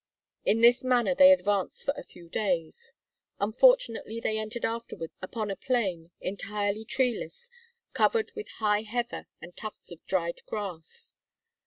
In this manner they advanced for a few days. Unfortunately they entered afterwards upon a plain, entirely treeless, covered with high heather and tufts of dried grass.